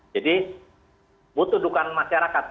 jadi butuh dukungan masyarakat